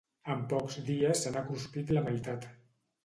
En pocs dies se n'ha cruspit la meitat.